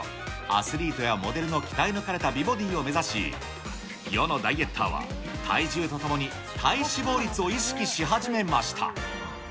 アスリートやモデルの鍛え抜かれた美ボディーを目指し、世のダイエッターは、体重とともに体脂肪率を意識し始めました。